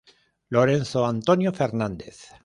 Lorenzo Antonio Fernández.